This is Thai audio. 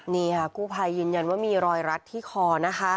นี่ค่ะกู้ภัยยืนยันว่ามีรอยรัดที่คอนะคะ